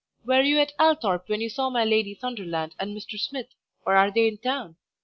Were you at Althorp when you saw my Lady Sunderland and Mr. Smith, or are they in town?